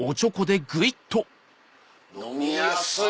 飲みやすい！